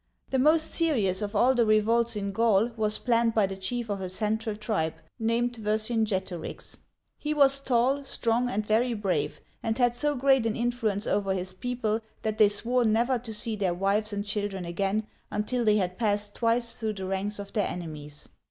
The most serious of all the revolts in Gaul was planned by the chief of a central tribe, named Vercinget'orix. He was tall, strong, and very brave, and had so great an influence over his people that they swore never to see their wives and children again until they had passed twice through the ranks of their enemies.